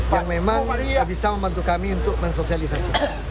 yang memang bisa membantu kami untuk mensosialisasikan